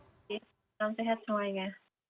salam sehat semuanya